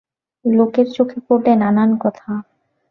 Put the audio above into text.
লোকের চোখে পড়লে নানান কথা।